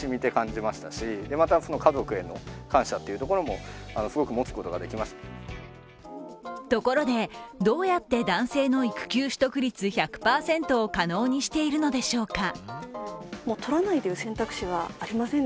また、育休中に学んだこともところで、どうやって男性の育休取得率１００％を可能にしているのでしょうか。